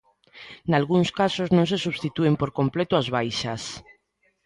Nalgúns casos non se substitúen por completo as baixas.